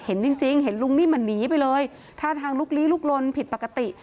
เห็นจริงจริงเห็นลุงนิ่มอ่ะหนีไปเลยท่าทางลุกลี้ลุกลนผิดปกติ